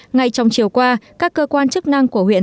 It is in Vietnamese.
ngay trong chiều qua các cơ quan chức năng của huyện